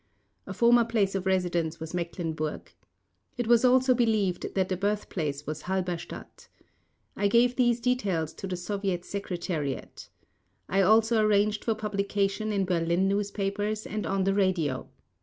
A former place of residence was Mecklenburg. It was also believed that the birthplace was Halberstadt. I gave these details to the Soviet Secretariat. I also arranged for publication in Berlin newspapers and on the radio.